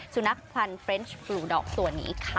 สุนัขพันธ์เฟรนชบลูดอกตัวนี้ค่ะ